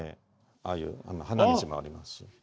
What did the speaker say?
ああいう花道もありますし。